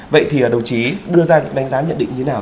vậy thì đồng chí đưa ra những đánh giá nhận định như thế nào